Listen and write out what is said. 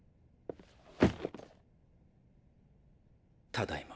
ただいま。